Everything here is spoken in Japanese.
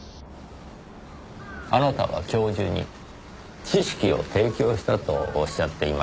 あなたは教授に知識を提供したとおっしゃっていましたね。